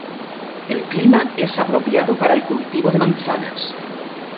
El clima es apropiado para el cultivo de manzanas.